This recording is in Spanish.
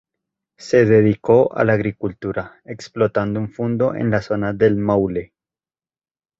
Se dedicó a la agricultura, explotando un fundo en la zona del Maule.